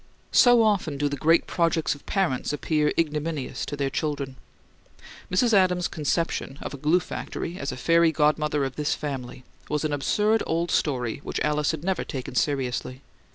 So often do the great projects of parents appear ignominious to their children. Mrs. Adams's conception of a glue factory as a fairy godmother of this family was an absurd old story which Alice had never taken seriously.